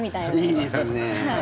いいですね。